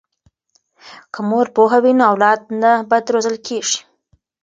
که مور پوهه وي نو اولاد نه بد روزل کیږي.